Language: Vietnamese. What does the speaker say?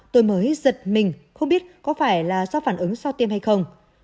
tôi mới giật mình không biết có phải là do phản ứng sau tiêm hay không